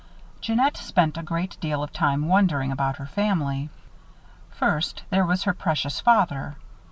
Jeannette spent a great deal of time wondering about her family. First, there was her precious father.